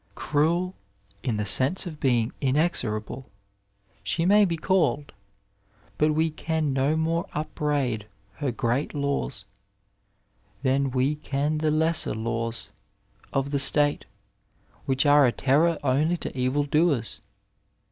Gruely in the sense of being inexoiable, she may be called, but we can no moie upbraid her great laws than we can the lesser laws of the state, which are a terror only to evildoers.